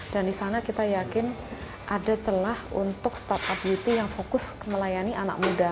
dan di sana kita yakin ada celah untuk startup beauty yang fokus melayani anak muda